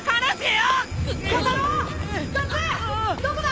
どこだ？